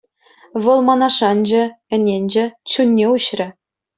Вӑл мана шанчӗ, ӗненчӗ, чунне уҫрӗ.